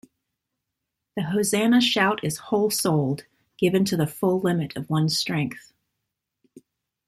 The Hosanna Shout is whole-souled, given to the full limit of one's strength.